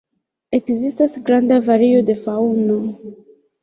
Ekzistas granda vario de faŭno.